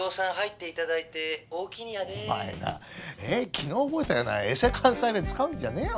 昨日覚えたようなエセ関西弁使うんじゃねえよ。